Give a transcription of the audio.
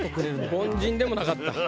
凡人でもなかった。